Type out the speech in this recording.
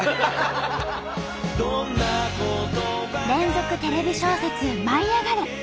連続テレビ小説「舞いあがれ！」。